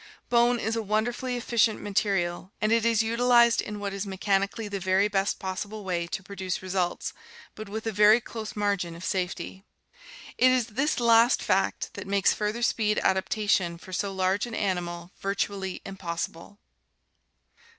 Bone is a wonderfully efficient material and it is utilized in what is mechanically the very best possible way to produce results, but with a very close margin of safety. It is this last fact that makes further speed adaptation for so large an animal virtually impossible.